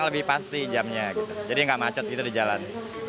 lebih pasti jamnya jadi enggak macet gitu di jalan jalan ini jadi tidak ada masalah